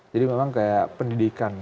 jadi memang kayak pendidikan